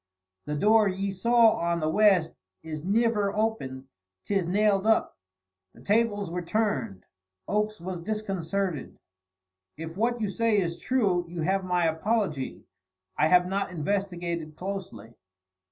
"The door ye saw on the west is niver opened 'tis nailed up." The tables were turned. Oakes was disconcerted. "If what you say is true, you have my apology. I have not investigated closely."